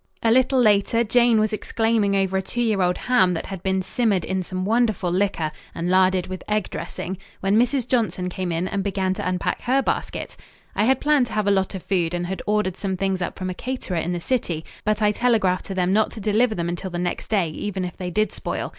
A little later Jane was exclaiming over a two year old ham that had been simmered in some wonderful liquor and larded with egg dressing, when Mrs. Johnson came in and began to unpack her basket. I had planned to have a lot of food and had ordered some things up from a caterer in the city, but I telegraphed to them not to deliver them until the next day, even if they did spoil.